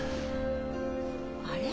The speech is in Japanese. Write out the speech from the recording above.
あれ？